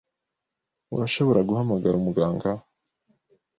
Urashobora guhamagara umuganga?